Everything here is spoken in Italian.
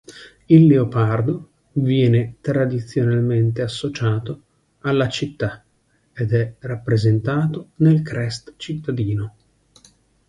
Il leopardo viene tradizionalmente associato alla città ed è rappresentato nel Crest cittadino.